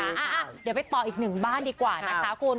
อ่ะเดี๋ยวไปต่ออีกหนึ่งบ้านดีกว่านะคะคุณ